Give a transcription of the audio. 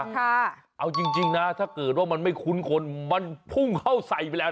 เอาจริงนะถ้าเกิดว่ามันไม่คุ้นคนมันพุ่งเข้าใส่ไปแล้ว